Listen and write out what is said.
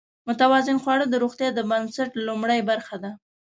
متوازن خواړه د روغتیا د بنسټ لومړۍ برخه ده.